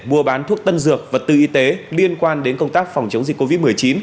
mua bán thuốc tân dược vật tư y tế liên quan đến công tác phòng chống dịch covid một mươi chín